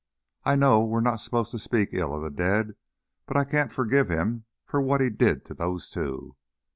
I know we are not supposed to speak ill of the dead, but I can't forgive him for what he did to those two.